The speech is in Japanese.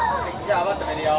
泡を止めるよ。